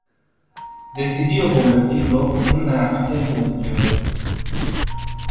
Decidió convertirlo en una agencia de empleo.